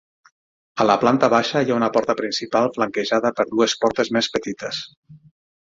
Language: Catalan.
A la planta baixa, hi ha una porta principal flanquejada per dues portes més petites.